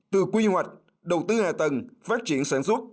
từ quy hoạch đầu tư hạ tầng phát triển sản xuất